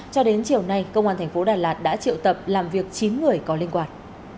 cho đến chiều nay công an thành phố đà lạt đã triệu tập làm việc chín người có liên quan